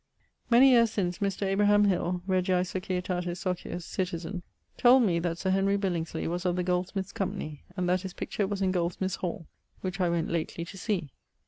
Many yeares since Mr. Abraham Hill, Regiae Societatis Socius, citizen, told me that Sir Henry Billingsley was of the Goldsmiths' Company, and that his picture was in Goldsmiths' Hall, which I went lately to see.